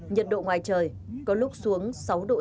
nhiệt độ ngoài trời có lúc xuống sáu độ c